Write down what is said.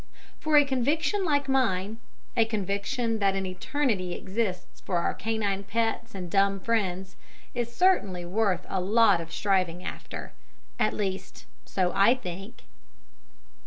For, a conviction like mine a conviction that an eternity exists for our canine pets and dumb friends is certainly worth a lot of striving after. At least so I think.